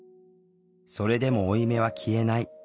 それでも負い目は消えない。